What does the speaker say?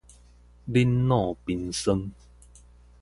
冷若冰霜